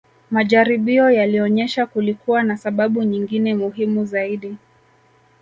Majaribio yalionyesha kulikuwa na sababu nyingine muhimu zaidi